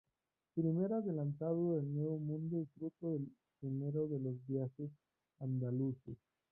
Primer Adelantado del nuevo mundo y fruto del primero de los "Viajes Andaluces".